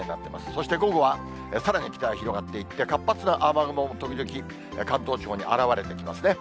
そして午後は、さらに北へ広がっていって、活発な雨雲もときどき関東地方に現れてきますね。